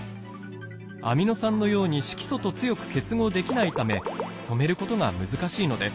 アミノ酸のように色素と強く結合できないため染めることが難しいのです。